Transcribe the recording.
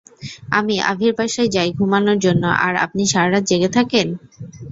আমি আভির বাসায় যাই ঘুমানোর জন্য আর আপনি সারা রাত জেগে থাকেন!